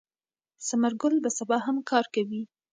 ثمر ګل به سبا هم کار کوي.